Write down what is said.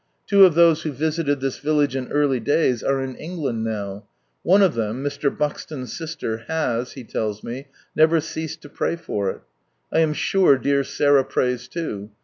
Two of those who visited this village in early days are in England now. One of them (Mr. Buxton's sister) has, he tells me, never ceased to pray for it. I am sure dear Sarah prays too.